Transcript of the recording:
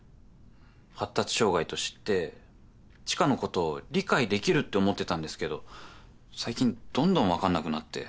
発達障害と知って知花のこと理解できるって思ってたんですけど最近どんどん分かんなくなって。